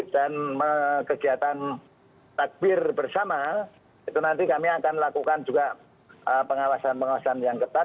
dan kegiatan takbir bersama itu nanti kami akan lakukan juga pengawasan pengawasan yang ketat